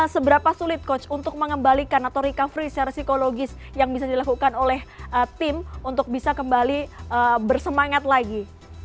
seberapa sulit coach untuk mengembalikan atau recovery secara psikologis yang bisa dilakukan oleh tim untuk bisa kembali bersemangat lagi